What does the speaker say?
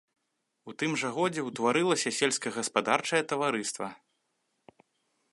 У тым жа годзе ўтварылася сельскагаспадарчае таварыства.